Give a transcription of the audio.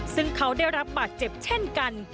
ซึ่งเขาได้รับบาดเจ็บเช่นกัน